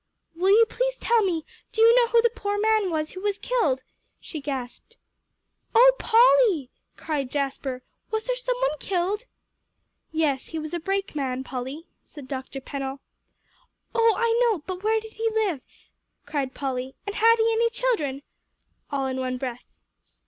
"Will you please tell me do you know who the poor man was who was killed?" she gasped. "Oh Polly," cried Jasper, "was there some one killed?" "Yes, he was a brakeman, Polly," said Dr. Pennell. "Oh, I know but where did he live?" cried Polly, "and had he any children?" all in one breath.